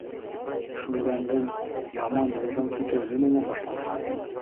Шүлгәндең яман юлдан китеүе нимәнән башланған?